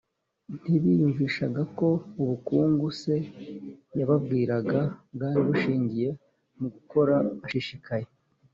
Ntibiyumvishaga ko ubukungu se yababwiraga bwari bushingiye mu gukora bashishikaye